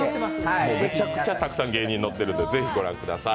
めちゃくちゃたくさん芸人載ってるので見てみてください。